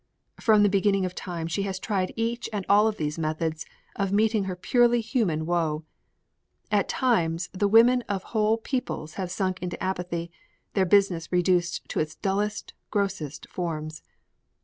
From the beginning of time she has tried each and all of these methods of meeting her purely human woe. At times the women of whole peoples have sunk into apathy, their business reduced to its dullest, grossest forms.